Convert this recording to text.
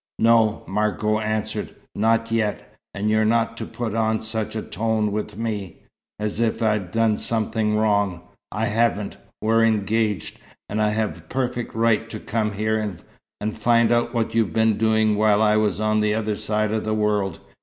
"No," Margot answered. "Not yet. And you're not to put on such a tone with me as if I'd done something wrong. I haven't! We're engaged, and I have a perfect right to come here, and find out what you've been doing while I was at the other side of the world.